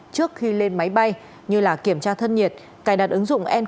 trước khi lên máy bay như kiểm tra thân nhiệt cài đặt ứng dụng enco